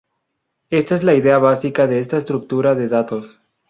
Esta es la idea básica de esta estructura de datos.